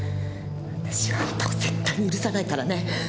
私はあんたを絶対に許さないからね！